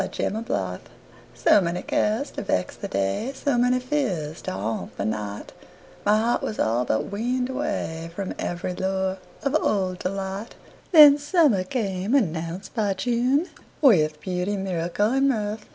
Summer Magic SO many cares to vex the day, So many fears to haunt the night, My heart was all but weaned awayFrom every lure of old delight. Then summer came, announced by June, With beauty, miracle and mirth.